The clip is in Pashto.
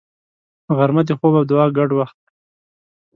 غرمه د خوب او دعا ګډ وخت دی